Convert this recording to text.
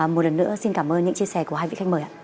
một lần nữa xin cảm ơn những chia sẻ của hai vị khách mời ạ